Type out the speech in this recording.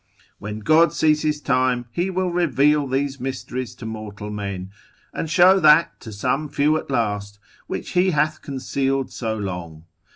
when God sees his time, he will reveal these mysteries to mortal men, and show that to some few at last, which he hath concealed so long.